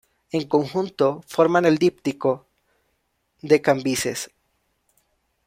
En conjunto forman el díptico de Cambises.